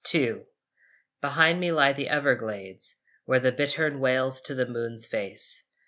II Behind me lie the Everglades, Where the bittern wails to the moon's face.